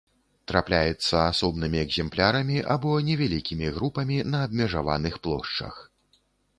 Трапляецца асобнымі экземплярамі або невялікімі групамі на абмежаваных плошчах.